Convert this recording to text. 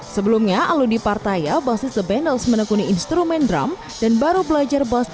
sebelumnya alun di partaya bassist the bundles menekuni instrumen drum dan baru belajar bassist